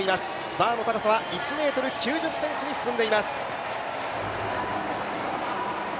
バーの高さは１ｍ９０ｃｍに進んでいます。